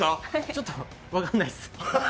ちょっと、分かんないっす。